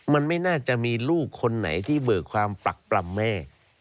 มันไม่น่าจะมีลูกคนไหนที่เบิกความปรักปรำแม่